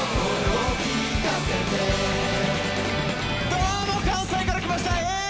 どうも関西から来ましたＡぇ！